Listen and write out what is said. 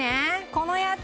このやつ。